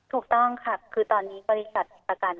ถูกต้องค่ะคือตอนนี้บริษัทประกัน